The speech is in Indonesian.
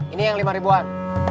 ini yang lima ribuan